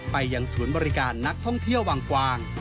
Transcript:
ไปยังศูนย์บริการนักท่องเที่ยวบางกวาง